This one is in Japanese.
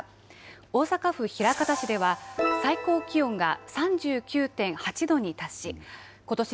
大阪府枚方市では最高気温が３９．８度に達しことし